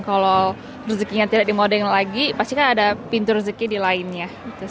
kalau rezekinya tidak dimodeng lagi pasti kan ada pintu rezeki di lainnya